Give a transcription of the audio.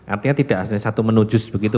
artinya tidak satu menu jus begitu